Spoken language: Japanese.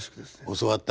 教わった